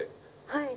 はい。